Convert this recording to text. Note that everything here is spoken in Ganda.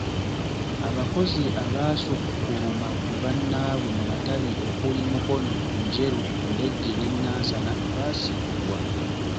Abakozi abaasukkuluma ku bannaabwe mu matabi okuli; Mukono, Njeru, Ndejje ne Nansana baasiimibwa.